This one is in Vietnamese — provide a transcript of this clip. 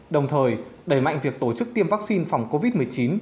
đồng thời đẩy mạnh việc tổ chức tiêm vaccine phòng covid một mươi chín